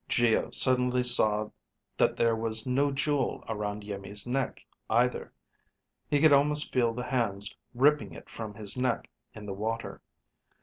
Geo suddenly saw that there was no jewel around Iimmi's neck either. He could almost feel the hands ripping it from his neck in the water.